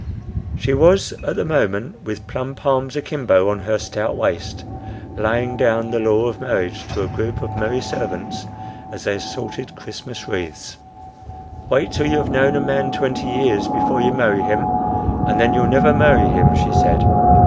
She was at the moment, with plump arms akimbo on her stout waist, laying down the law of marriage to a group of merry servants as they sorted Christmas wreaths. "Wait till you've known a man twenty years before you marry him, and then you'll never marry him," she said.